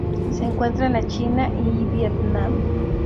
Se encuentra en la China y Vietnam.